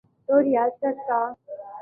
تو ریاست کا۔